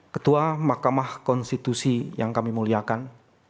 ketua mahkamah konstitusi yang kami muliakan